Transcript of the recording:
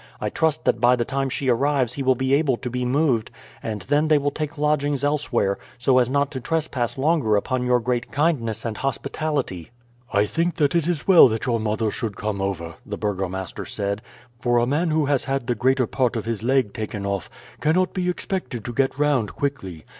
I trust that by the time she arrives he will be able to be moved, and then they will take lodgings elsewhere, so as not to trespass longer upon your great kindness and hospitality." "I think that it is well that your mother should come over," the burgomaster said; "for a man who has had the greater part of his leg taken off cannot be expected to get round quickly.